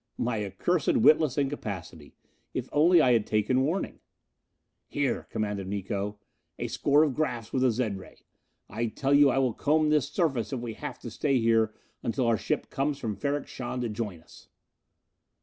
My accursed, witless incapacity! If only I had taken warning! "Here," commanded Miko. "A score of 'graphs with the zed ray. I tell you I will comb this surface if we have to stay here until our ship comes from Ferrok Shahn to join us!"